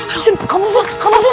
asun kabur sun kabur sun